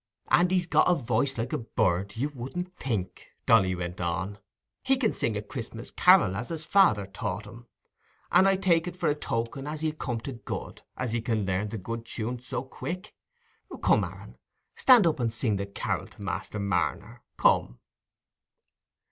"And he's got a voice like a bird—you wouldn't think," Dolly went on; "he can sing a Christmas carril as his father's taught him; and I take it for a token as he'll come to good, as he can learn the good tunes so quick. Come, Aaron, stan' up and sing the carril to Master Marner, come."